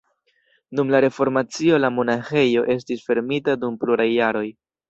Dum la reformacio la monaĥejo estis fermita dum pluraj jaroj.